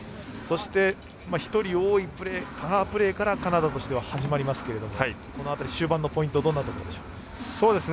そして、１人多いパワープレーからカナダとしては始まりますけどもこの辺り、終盤のポイントどんなところでしょう？